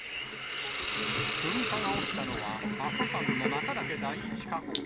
噴火が起きたのは、阿蘇山の中岳第１火口。